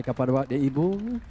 kepada waduh ibu